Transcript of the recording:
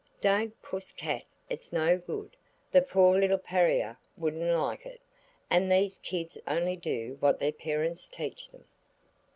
"Don't, Puss cat; it's no good. The poor little pariah wouldn't like it. And these kids only do what their parents teach them."